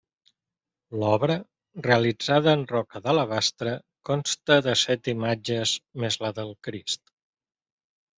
L'obra, realitzada en roca d'alabastre, consta de set imatges més la del Crist.